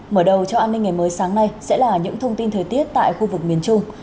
mở đầu cho an ninh ngày mới sáng nay sẽ là những thông tin thời tiết tại khu vực miền trung